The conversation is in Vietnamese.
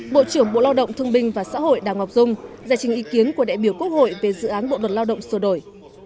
bộ trưởng bộ lao động thương binh và xã hội đào ngọc dung giải trình ý kiến của đại biểu quốc hội về dự án bộ luật lao động sửa đổi